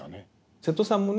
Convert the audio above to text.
瀬戸さんもね